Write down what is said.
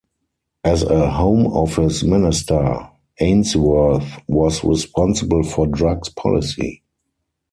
As a Home Office minister, Ainsworth was responsible for drugs policy.